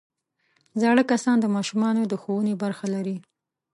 زاړه کسان د ماشومانو د ښوونې برخه لري